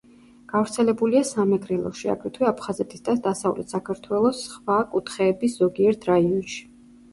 გავრცელებულია სამეგრელოში, აგრეთვე აფხაზეთის და დასავლეთ საქართველოს სხვა კუთხეების ზოგიერთ რაიონში.